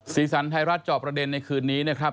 สีสันไทยรัฐจอบประเด็นในคืนนี้นะครับ